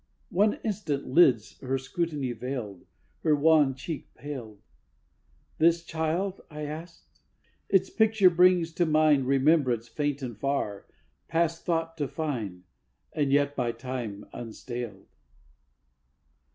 One instant lids her scrutiny veiled; Her wan cheek paled. 'This child?' I asked. 'Its picture brings to mind Remembrance faint and far, past thought to find, And yet by time unstaled.'